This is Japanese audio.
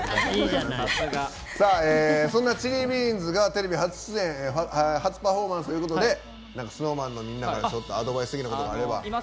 そんなＣｈｉｌｌｉＢｅａｎｓ．がテレビ初出演初パフォーマンスということでＳｎｏｗＭａｎのみんなからアドバイスすることがあれば。